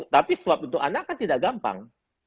tapi swab untuk anak kan tidak gampang